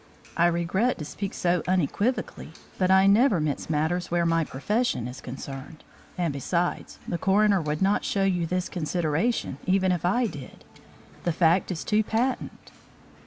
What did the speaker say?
I regret to speak so unequivocally, but I never mince matters where my profession is concerned. And, besides, the coroner would not show you this consideration even if I did. The fact is too patent."